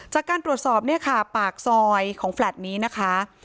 จากการตรวจสอบเนี่ยค่ะปากซอยของแฟลต์นี้นะคะ